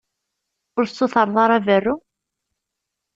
Ur tessutred ara berru?